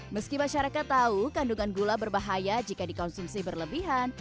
meski masyarakat tahu kandungan gula berbahaya jika dikonsumsi berlebihan